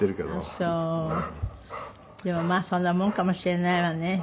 でもまあそんなもんかもしれないわね。